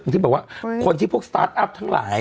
ที่บอกว่าคนที่พวกสตาร์ทอัพทั้งหลาย